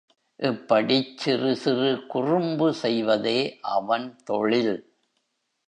இப்படிச் சிறு சிறு குறும்பு செய்வதே அவன் தொழில்.